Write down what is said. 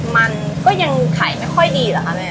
มันก็ยังขายไม่ค่อยดีเหรอคะแม่